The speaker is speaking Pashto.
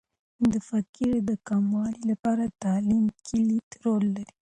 د فقر د کموالي لپاره تعلیم کلیدي رول لري.